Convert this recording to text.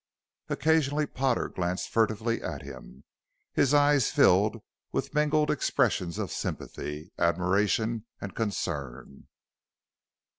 Occasionally Potter glanced furtively at him, his eyes filled with mingled expressions of sympathy, admiration, and concern.